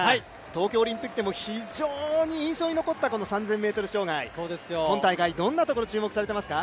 東京オリンピックでも非常に印象に残ったこの３０００ｍ障害、今大会どんなところ注目されてますか？